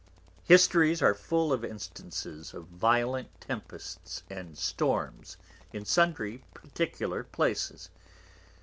Histories are full of Instances of violent Tempests and Storms in sundry particular Places.